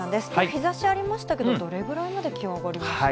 日ざしありましたけど、どれぐらいまで気温上がりましたか？